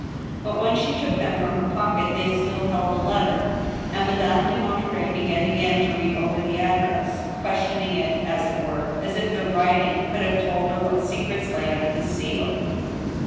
But when she took them from her pocket they still held the letter, and Madame de Monterey began again to read over the address, questioning it, as it were, as if the writing could have told her what secrets lay under the seal.